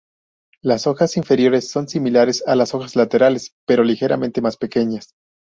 Las hojas inferiores son similares a las hojas laterales, pero ligeramente más pequeñas.